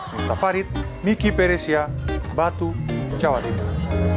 nesta farid miki peresia batu jawa tenggara